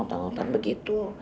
jangan anggot anggotan begitu